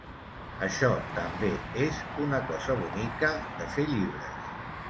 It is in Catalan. Això també és una cosa bonica de fer llibres.